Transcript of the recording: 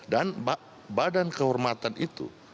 dan badan kehormatan itu